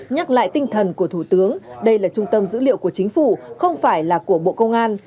nhắc lại tinh thần của thủ tướng đây là trung tâm dữ liệu của chính phủ không phải là của bộ công an